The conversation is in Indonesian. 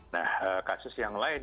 nah kasus yang lain